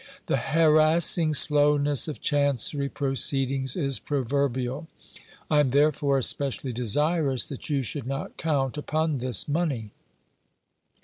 The harassing slowness of Chancery proceedings is proverbial; I am therefore especially desirous that you should not count upon this money."